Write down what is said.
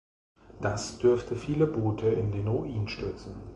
Das dürfte viele Boote in den Ruin stürzen.